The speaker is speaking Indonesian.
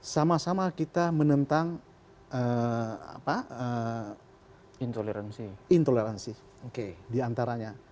sama sama kita menentang intoleransi di antaranya